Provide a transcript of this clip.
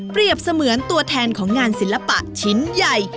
เสมือนตัวแทนของงานศิลปะชิ้นใหญ่